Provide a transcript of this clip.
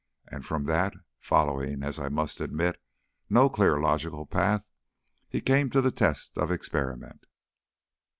And from that, following, as I must admit, no clear logical path, he came to the test of experiment.